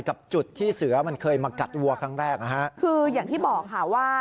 กับจุดที่เสือมันเคยมากัดวัวครั้งแรกนะฮะคืออย่างที่บอกค่ะว่า